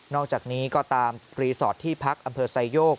อกจากนี้ก็ตามรีสอร์ทที่พักอำเภอไซโยก